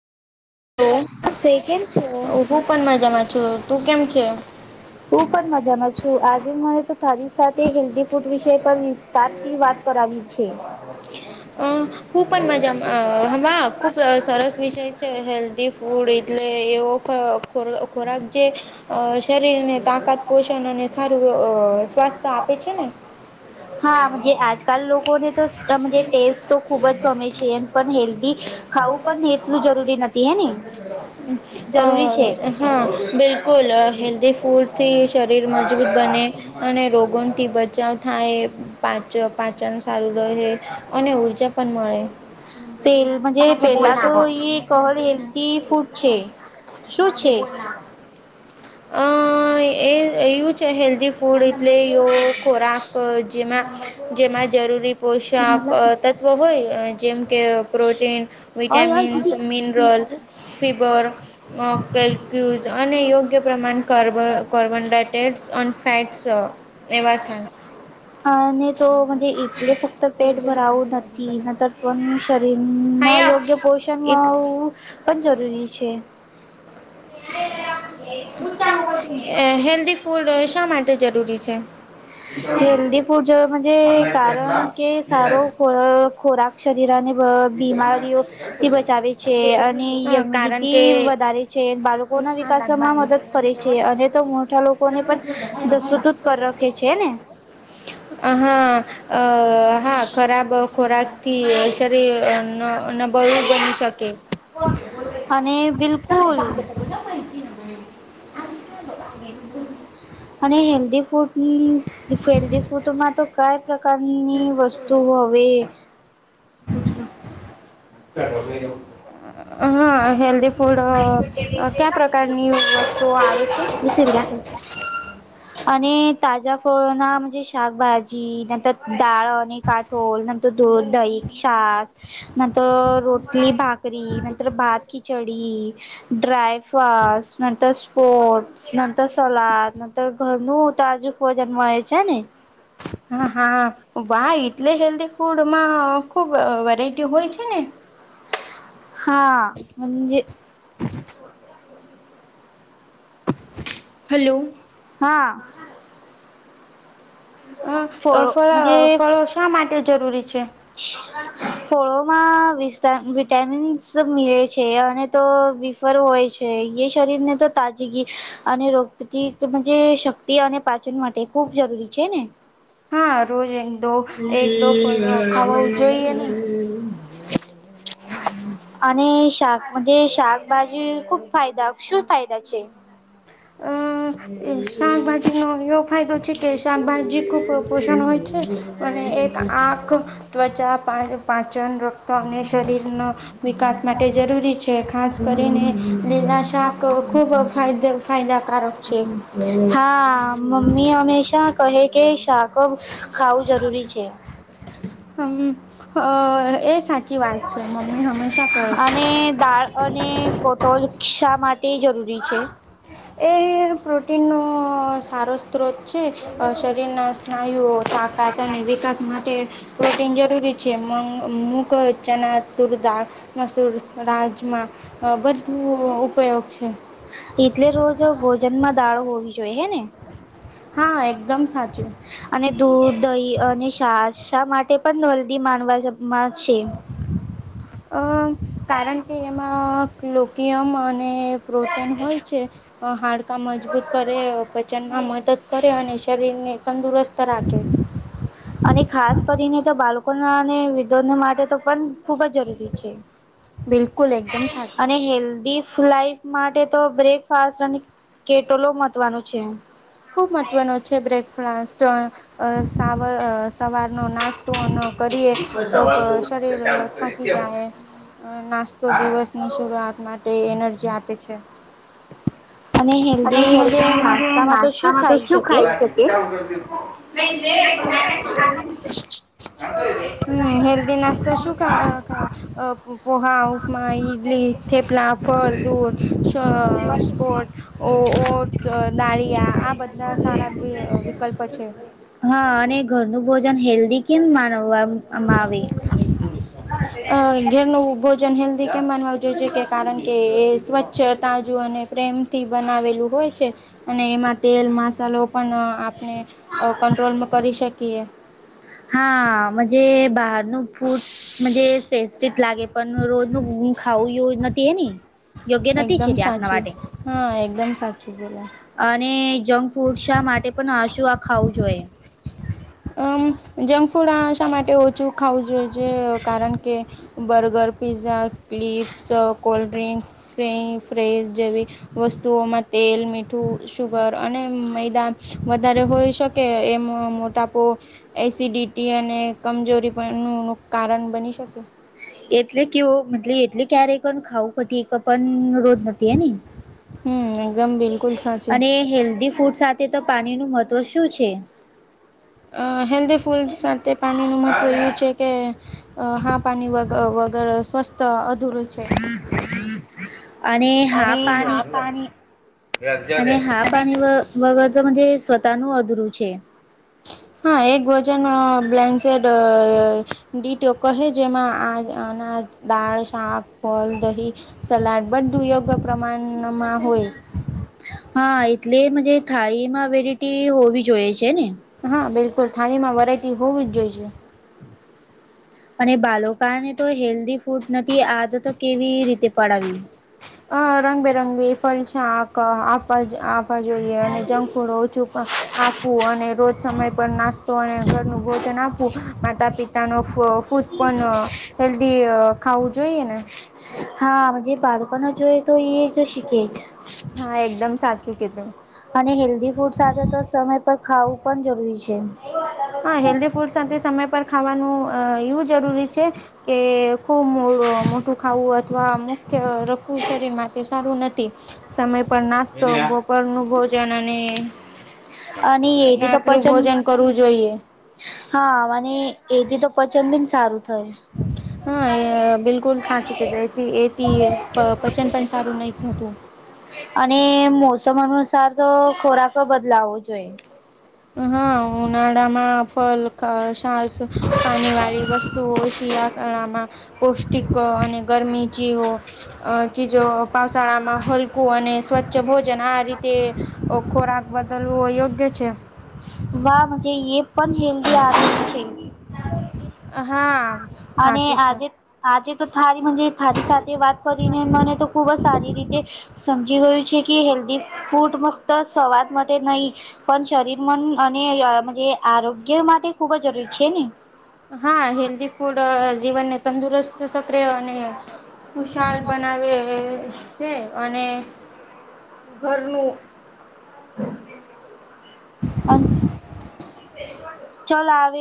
સે કેમ છો? હા, હું પણ મજામાં છું. તું કેમ છે? હું પણ મજામાં છું આજે મને તો તારી સાથે હેલ્ધ ફૂડ વિષ પર વિ અ હું પણ મજામાં વા ખૂબ સરસ વિષય છે હેલ્ધી ફૂડ એટલે એવો ખોરાક ખોરાક જે અ શરીરને તાકાત પોષણ અ અને સારું સ્વાસ્થ્ય આપે છે ને હમ્મ. હાજ આજકાલ લોકોને તો ટેસ્ટ તો ખૂબ જ ગમે છે એમ પણ હેલ્ધી ખાવું પણને એટલું જરૂરી નથી હે ને જરૂરી છે. અ હા બિલકુલ હેલ્ધી ફૂડથી શરીર મજબૂત બને. અને રોગોથી બચાવ થાય એ પા પાચન સારું રહે અને ઉર્જા પણ મળે. પેલજે પેલા તો ઈ કોહલ હેલ્ધી ફૂડ છે શું છે. અ એ એવું છે હેલ્ધી ફૂડ એટલે એ ખોરાક જેમાં જેમાં જરૂરી પોશાક તત્વ હોય જેમ કે પ્રોટીન હય હય વિટામિન્સ દીદી મિનરલ ફીવર. કેલ્ક્યુઝ અને યોગ્ય પ્રમાણે કાર્બો વન ડટેડસ ઓન ફેટ્સ એવા ખાન હા અને તો મ ટલે ફક્ત પેટ ભરાવું નથી ન. [unintelligible] શરીર હાય ના યોગ્ય પોષણ આવ એટલે પણ જરૂરી છે. હેલ્ધી ફૂડ શા માટે જરૂરી છે. હેલ્દી ફૂડ કારણ કે સારો ખો ખોરાક શરીર અને બીમારીઓથી બચાવે છે અને હા કારણ કે યમિનિટી વધારે છે. છે બાળકો ના હા વિકાસમાં મદદ કરે છે અને તો મોટા લોકોને પણ દસુતુ કર રાખે છે. છે ને. હા અ હા ખરાબ ખોરાક થી સક ટી નબળું બની શકે. અને બિલકુલ. અને હેલ્ધી ફૂડ ની હેલ્ધી ફૂડમાં તો કયા પ્રકારની વસ્તુ હવે હા. હેલ્ધી ફૂડ કયા પ્રકારની વસ્તુઓ આવે છે. [unintelligible] [inaudible] અને તાજા ફોળનાજ શાકભાજી નંતર દાળ અને કાટ ઢોલ નંતર દૂધ દહી છાસ ન તો રોટલી ભાકરી નંતર ભાત ખિચડી ડ્રાયફાટ સ્પટ નંતર સલાદ નંતર ઘરનું તો આજુ વજન વય છે ને હા હા વાહ એટલે હેલ્ધી ફૂડમાં ખુબ વેરાયટી હોય છે ને. હા જે હલો. હા. અ ફળો ફળ ફળો શા માટે જરૂરી છે. ફળોમાં વિ વિટામિન્સ મિલે છે અને તો ફર હોય છે એ શરીર ને તો તાજગી અને રોગપતિ જે શક તે અને પાચન માટે ખૂબ જરૂરી છે ને. હા રોજ એક દો એક દો ફ ખાવાું જોઈએ ને. [inaudible] અને શાક શાકભાજી ખૂબ ફાયદા શું ફાયદા છે. અ શાકભાજી નો એવો ફાયદો છે કે શાકભાજી પોષણ હોય છે, અને એક આંખ ત્વચા પાચન તો અને શરીરનો, વિકાસ માટે જરૂરી છે ખાસ કરીને નિનાશાક ખૂબ ફાયદ ફાયદાકારક છે. હા મમ્મી હંમેશા કહે કે શાક ખાવું જરૂરી છે. હમ એ સાચી વાત છે મમ્મી હંમેશા કરહે છે. અને દાળ અને કોટો રિકષા માટે જરૂરી છે. એ પ્રોટીનનો સારો સ્ત્રોત છે, શરીરના સ્નાયુઓ તાકાત અને વિકાસ માટે. પ્રોટીન જરૂરી છે મ મુક ચણા તુરદા મસૂર રાજમા બધું ઉપયોગ છે. એટલે રોજ ભોજનમાં દાળો હોવી જોઈએ હે ને. હા એકદમ સાચું. અને દૂધ દહી અને સાા માટે પણ દલ્દી માનવામાં છે. અ કારણ કે એમાં લોકયમ અને પ્રોટીન હોય છે. હાડકાં મજબૂત કરે વચનમાં મદદ કરે અને શરીરને તંદુરસ્ત રાખે. અને ખાસ કરીને તો બાળકો ના અને વિદ્વા માટે તો પણ ખૂબ જ જરૂરી છે, બિલકુલ એકદમ સાચું અને હેલ્ધ લાઈફ માટે તો બ્રેકફાસ્ટ અને કેટોલો મવાનું છે. ખૂબ મહત્વનો છે બ્રેકફાસ્ટ, સાવર સવારનો નાસ્તો. કરીએ, તો શરીર થાકી જાય, નાસ્તો દિવસ ની શરૂઆત માટે એનર્જી આપે છે. અને હેલ્ધ જે નાસ્તામાં તો શું ખાઈ શકે? હમ હલ્ નાસ્તા શું ખા અ પોહા ઉપમા ઈડલી થેપલા ફલ દૂધ સ સ્પોટ. ઓ ઓટ્સ નાળિયા આ બધા સારા વિકલ્પ છે. હા અને ઘરનું ભોજન હેલ્ધી કેમ માનવામાં આવે? અ ઘેર ન ભોજન હેલ્ધ કેમ માનવા જોઈ કે કારણ કે એ સ્વચ્છ તાજું અને પ્રેમથી બનાવેલું હોય છે, અને એમાં તેલ મસાલો પણ આપણે કંટ્રોલમાં કરી શકીએ. હાજ બહારનું ફૂડજ ટેસ્ટી લાગે. પણ રોજ ન ખાવું એવું નથી એ ની. યોગ્ય નથી છે એકદમ તે આપના સાચું, માટે હા એકદમ સાચું બોલો. અને જંક ફૂડ શા માટે પણ આ શું આ ખાવું જોઈએ? અમ જંક ફૂડ આ શા માટે ઓછું ખાવું જોઈ છે કારણ કે burger pizza chips cold drink. ફ ફ્રેઝ જેવી, વસ્તુઓમાં તેલ મીઠું શુગર અને મેૈદા વધારે હોય શકે એમ મોટા તો એસિડિટી અને કમજોરી પણનું કારણ બની શકે. એટલે કેવ મતલબ એટલે ક્યારેય પણ ખાવું પટ પણ હમ એકદમ બિલકુલ સાચું [unintelligible] ફૂટ સાથે તો પાણીનું મહત્વ શું છે? અહ હેલ્ધી ફૂડ સાથે પાણીનું મહત્વ એવું છે કે હા પાણી વગ ગર સ્વાસ્થ તો અધુરુ છે અને હા પાણી [unintelligible] બગ [unintelligible] સ્વતનું અધુરુ છે હા, એક ભોજન બ્લેન્સેટ અહ ડીટો કહે જેમાં આ દાળ, શાક, ફલ, દહી, સલાડ, બધું યોગ્ય પ્રમાણમાં હોય. હા એટલે મજે થાળીમાં વેરાટી હોવી જોઈએ છે ને હા બિલકુલ થાનીમાં વરાયટી હોવું જ જોઈ છે. અને બાલોકાને તો હેલ્ધી ફૂડ નથી આ તો તો કેવી રીતે પડાવી અ રંગબેરંગી ફલ શાક આપવા આપવા જોઈએ અને જંક ફૂડ ઓછું આપવું અને રોજ સમય પર નાસ્તો અને ઘરનું ભોજન આપવું માતા પિતા નો ફ પણ હેલ્ધી ખાવું જોઈએ ને હા જે બાળપ ના જોય તો એ જ શીખે જ હા એકદમ સાચું કીધું. અને હેલ્ધી ફૂડ સાથે તો સમય પર ખાવું પણ જરૂરી છે. હા હેલ્ધી ફૂડ સાથે સમય પર ખાવાનું એવું જરૂરી છે. કે ખૂબ મોડું મોટું ખાવું અથવા મુખ્ય રખવું શરીર માટે સારું નથી સમય પર નાસ્તો, બપોર નું ભોજન અન અને અને એથી તો રાત્રું પચન ભોજન કરવું જોઈએ. હા અવને એથી તો પચન બીન સારું થાય. હા એ બિલકુલ સાચું કીધ એથી પચન પણ સારું નહી થતું. અને મોસમ અનુસાર તો ખોરાક બદલાવો જોઈએ. હા ઉનાળમાં ફલ ખા સાસ ખની વાળી વસ્તુ શિયા ળામાં પૌષ્ટિક અને ગરમી જ વસ્ ઓ અ ચીજો પાાવશળામાં હલકું અને સ્વચ્છ ભોજન આ રીતે ઓ ખોરાક બદલવું અયોગ્ય છે. વાહ મુજ એ પણ હેલ્દી આદત છે. હા. અને સાચું છે આજે આજે તો થારી મન્જેથારી સાથે વાત કરીને મને તો ખુબ જ સારી રીતે તે સમજી ગયું છે કે હેલ્ધી ફૂડ ફક્ત સવાદ માટે નહીં પણ શરીર મન અને આરોગ્ય માટે ખુબ જ જરૂરી છે ને. હા હેલ્ધી ફૂડ જીવનને તંદુરસ્ત. સકરે અને ઉશાલ બનાવે. છે અને ઘરનું. અન ચાલ આવે.